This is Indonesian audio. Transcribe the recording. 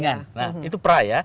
nah itu pra ya